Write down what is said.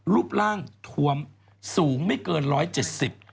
รูปร่างถวมสูงไม่เกิน๑๗๐ปี